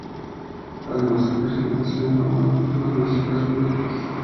Además, hay precipitaciones abundantes en los meses correspondientes a la primavera y al verano.